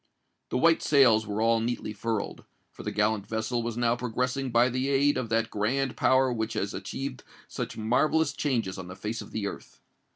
The white sails were all neatly furled; for the gallant vessel was now progressing by the aid of that grand power which has achieved such marvellous changes on the face of the earth.